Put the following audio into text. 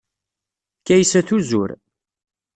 Kaysa tuzur.